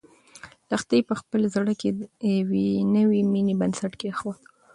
لښتې په خپل زړه کې د یوې نوې مېنې بنسټ کېښود.